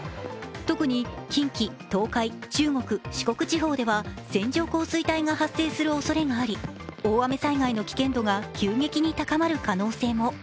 特に近畿、東海中国、四国地方では線状降水帯が発生するおそれがあり、大雨災害の危険度が急激に高まる可能性も。